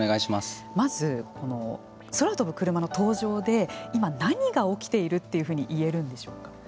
まず、空飛ぶクルマの登場で今、何が起きているというふうにいえるんでしょうか。